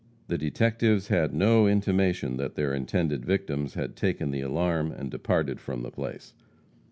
The detectives had no intimation that their intended victims had taken the alarm and departed from the place.